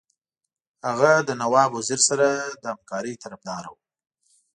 هغه د نواب وزیر سره د همکارۍ طرفدار وو.